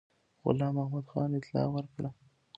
غلام محمدخان اطلاع ورکړه.